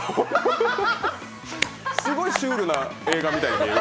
すごいシュールな映画みたいで。